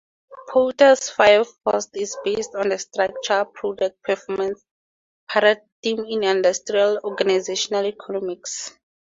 Porter's five forces is based on the structure-conduct-performance paradigm in industrial organizational economics.